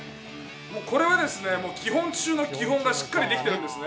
もうこれはですね基本中の基本がしっかりできてるんですね。